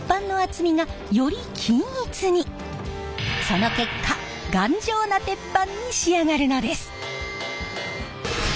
その結果頑丈な鉄板に仕上がるのです！